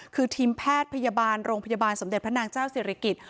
คือทีมแพทย์พยาบาลโรงพยาบาลสมเด็จพระนางเจ้าศิริกิจ